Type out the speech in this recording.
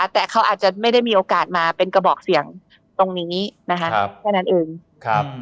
แต่เขาอาจจะไม่ได้มีโอกาสมาเป็นกระบอกเสียงตรงนี้นะครับ